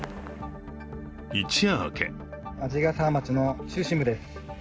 一夜明け鰺ヶ沢町の中心部です。